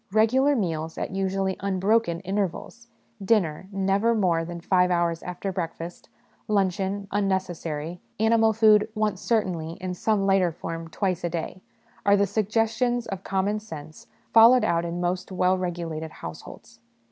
Regular meals at, usually, unbroken intervals dinner, never more than five hours after breakfast ; luncheon, un necessary ; animal food, once certainly, in some lighter form, twice a day are the suggestions of common sense followed out in most well regulated households.